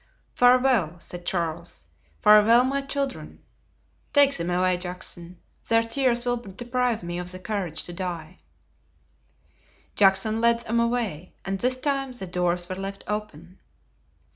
"Farewell," said Charles, "farewell, my children. Take them away, Juxon; their tears will deprive me of the courage to die." Juxon led them away, and this time the doors were left open.